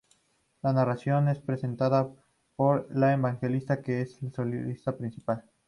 La narración es presentada por el evangelista, que es el solista principal.